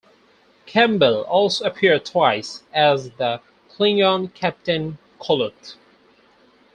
Campbell also appeared twice as the Klingon Captain Koloth.